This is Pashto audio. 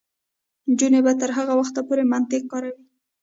نجونې به تر هغه وخته پورې منطق کاروي.